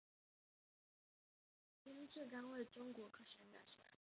编制单位中国科学院大学